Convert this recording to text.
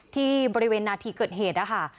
ที่บริเวณนาทีเกิดเหตุนะคะ